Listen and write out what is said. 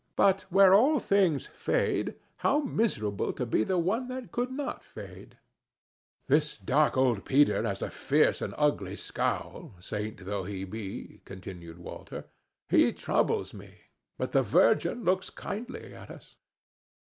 "But, where all things fade, how miserable to be the one that could not fade!" "This dark old St. Peter has a fierce and ugly scowl, saint though he be," continued Walter; "he troubles me. But the Virgin looks kindly at us."